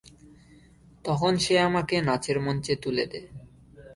তখন সে আমাকে নাচের মঞ্চে তুলে দেয়।